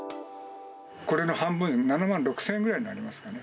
これの半分、７万６０００円ぐらいになりますかね。